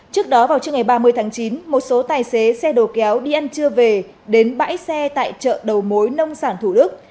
trước đó vào trưa ngày ba mươi tháng chín một số tài xế xe đồ kéo đi ăn trưa về đến bãi xe tại chợ đầu mối nông sản thủ đức